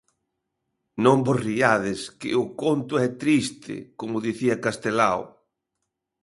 Non vos riades, que o conto é triste, como dicía Castelao.